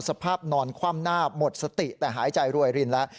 สภาพนอนคว่ำหน้าหมดสติแต่หายใจรวยรินแล้ว